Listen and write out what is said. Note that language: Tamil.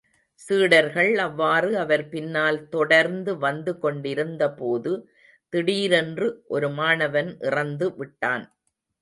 சீடர்கள் அவ்வாறு அவர் பின்னால் தொடர்ந்து வந்து கொண்டிருந்தபோது, திடீரென ஒரு மாணவன் இறந்து விட்டான்.